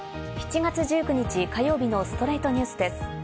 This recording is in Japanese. ７月１９日、火曜日の『ストレイトニュース』です。